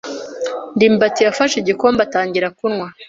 ndimbati yafashe igikombe atangira kunywa.